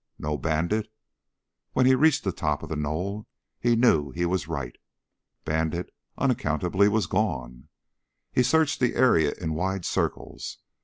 No Bandit? When he reached the top of the knoll, he knew he was right. Bandit unaccountably was gone. He searched the area in wide circles.